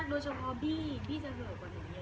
โดยเฉพาะบี๊บี๊จะเหลือกว่าหนูเยอะ